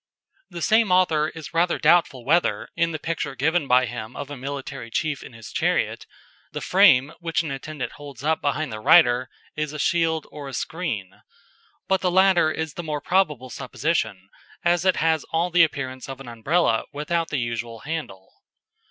The same author is rather doubtful whether, in the picture given by him of a military chief in his chariot, the frame which an attendant holds up behind the rider is a shield or a screen, but the latter is the more probable supposition, as it has all the appearance of an Umbrella without the usual handle.